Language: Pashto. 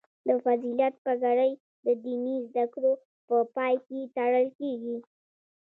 د فضیلت پګړۍ د دیني زده کړو په پای کې تړل کیږي.